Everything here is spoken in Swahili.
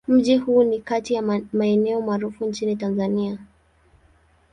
Mji huu ni kati ya maeneo maarufu nchini Tanzania.